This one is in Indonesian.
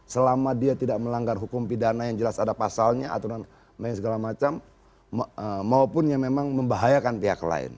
selama dia tidak melanggar hukum pidana yang jelas ada pasalnya aturan main segala macam maupun yang memang membahayakan pihak lain